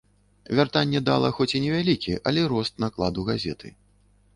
Вяртанне дала хоць і невялікі, але рост накладу газеты.